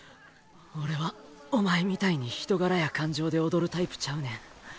俺はお前みたいに人柄や感情で踊るタイプちゃうねん。